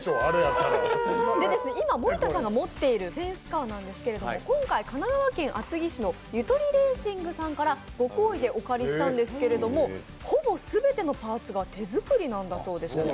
今、森田さんが持っているフェンスカーなんですが今回、神奈川県厚木市のゆとりレーシングさんからご好意でお借りしたんですけどほぼ全てのパーツが手作りなんだそうです。